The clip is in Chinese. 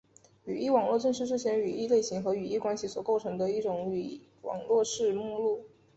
语义网络正是这些语义类型和语义关系所构成的一种网络式目录。